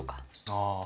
ああ。